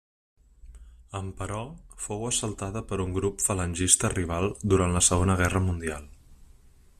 Emperò, fou assaltada per un grup falangista rival durant la Segona Guerra Mundial.